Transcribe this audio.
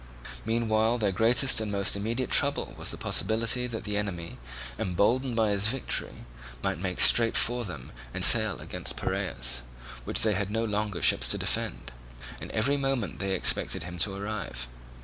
Meanwhile their greatest and most immediate trouble was the possibility that the enemy, emboldened by his victory, might make straight for them and sail against Piraeus, which they had no longer ships to defend; and every moment they expected him to arrive.